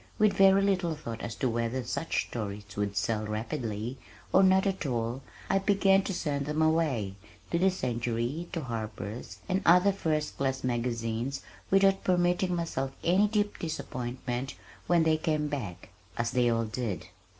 With very little thought as to whether such stories would sell rapidly or not at all I began to send them away, to the Century, to Harper's, and other first class magazines without permitting myself any deep disappointment when they came back as they all did!